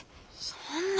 そんな。